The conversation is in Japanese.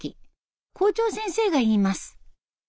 校長先生が言います。